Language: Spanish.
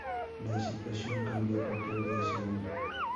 La situación cambió a partir de ese año.